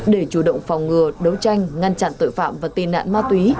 để chủ động phòng ngừa đấu tranh ngăn chặn tội phạm và tị nạn ma túy